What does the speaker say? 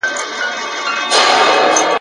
نن به یم سبا بېلتون دی نازوه مي !.